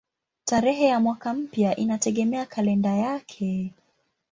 Tarehe ya mwaka mpya inategemea kalenda yake.